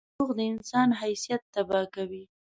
• دروغ د انسان حیثیت تباه کوي.